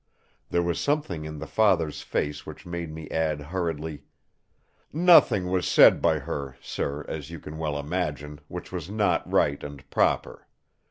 There was something in the father's face which made me add hurriedly: "Nothing was said by her, sir, as you can well imagine, which was not right and proper.